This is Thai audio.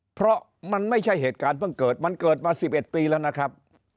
เพราะมันไม่ใช่เหตุการณ์เพิ่งเกิดมันเกิดมา๑๑ปีแล้วนะครับ